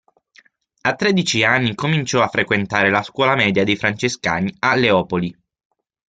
A tredici anni cominciò a frequentare la scuola media dei francescani a Leopoli.